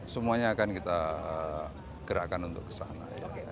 semuanya akan kita gerakan untuk ke sana